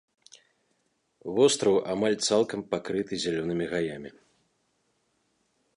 Востраў амаль цалкам пакрыты зялёнымі гаямі.